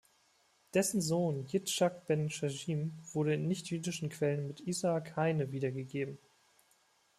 Dessen Sohn Jitzchak ben Chajim wurde in nichtjüdischen Quellen mit Isaak Heine wiedergegeben.